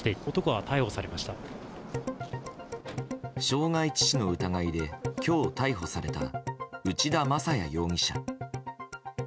傷害致死の疑いで今日、逮捕された内田正也容疑者。